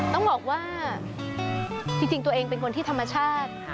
ต้องบอกว่าจริงตัวเองเป็นคนที่ธรรมชาติ